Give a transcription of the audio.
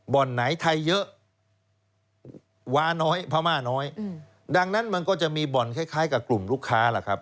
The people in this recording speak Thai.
ไหนไทยเยอะวาน้อยพม่าน้อยดังนั้นมันก็จะมีบ่อนคล้ายคล้ายกับกลุ่มลูกค้าล่ะครับ